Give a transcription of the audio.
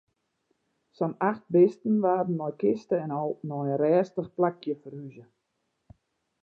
Sa'n acht bisten waarden mei kiste en al nei in rêstich plakje ferhuze.